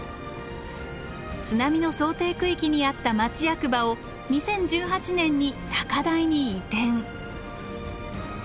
津波の想定区域にあった町役場を２０１８年に高台に移転。